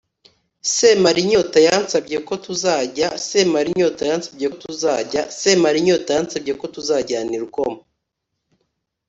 Semarinyota yansabye ko tuzajya semarinyota yansabye ko tuzajya semarinyota yansabye ko tuzajyana i rukoma